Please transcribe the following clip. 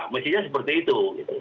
mestinya seperti itu